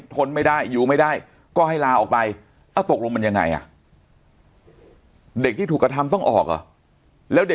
ทนไม่ไหว